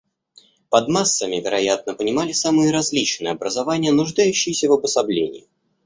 Под массами, вероятно, понимали самые различные образования, нуждающиеся в обособлении.